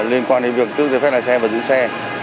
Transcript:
liên quan đến việc cứu dưới phép lái xe và giữ xe